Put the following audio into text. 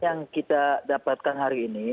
yang kita dapatkan hari ini